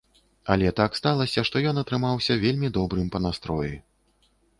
Але так сталася, што ён атрымаўся вельмі добрым па настроі.